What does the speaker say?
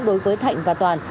đối với thạnh và toàn